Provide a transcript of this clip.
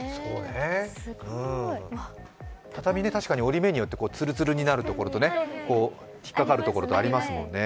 畳、織り目によってつるつるになるところと、引っかかるところとありますからね。